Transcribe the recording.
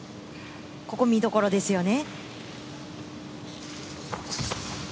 ここ、見どころですよね。